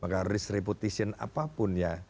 kompetisi apapun ya